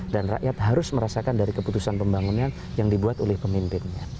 dan rakyat harus merasakan dari keputusan pembangunan yang dibuat oleh pemimpinnya